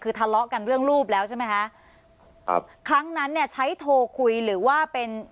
คือทะเลาะกันเรื่องรูปแล้วใช่ไหมคะครับครั้งนั้นเนี่ยใช้โทรคุยหรือว่าเป็น